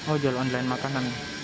oh jual online makanan